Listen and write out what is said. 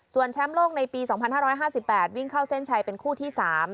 ส่วนแชมป์โลกในปี๒๕๕๘วิ่งเข้าเส้นชัยเป็นคู่ที่๓